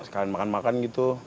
sekarang makan makan gitu